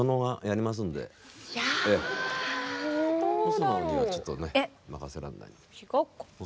細野にはちょっと任せらんない。